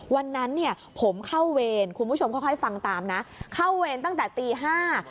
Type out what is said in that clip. วันนั้นเนี่ยผมเข้าเวรคุณผู้ชมค่อยค่อยฟังตามนะเข้าเวรตั้งแต่ตีห้า